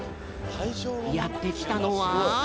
やってきたのは。